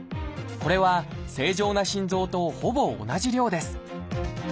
これは正常な心臓とほぼ同じ量です。